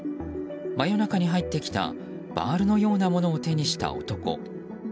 真夜中に入ってきたバールのようなものを手にした男。